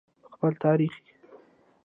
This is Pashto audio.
په خپل تاریخ.